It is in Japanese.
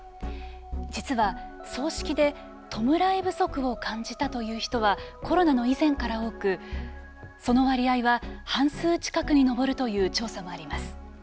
実は葬式で弔い不足を感じたという人はコロナの以前から多くその割合は半数近くに上るという調査もあります。